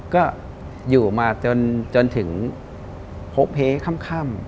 ก็อยู่มาจนถึงโพเพค่ำ